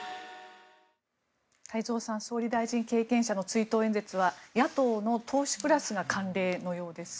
太蔵さん総理大臣経験者の追悼演説は野党の党首クラスが慣例のようです。